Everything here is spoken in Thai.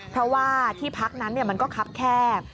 เพราะว่าที่พักนั้นมันก็คับแคบ